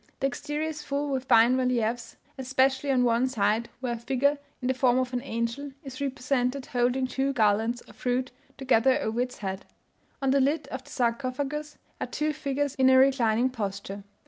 The exterior is full with fine reliefs, especially on one side, where a figure, in the form of an angel, is represented holding two garlands of fruit together over its head. On the lid of the sarcophagus are two figures in a reclining posture.